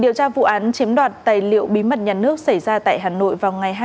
điều tra vụ án chiếm đoạt tài liệu bí mật nhà nước xảy ra tại hà nội vào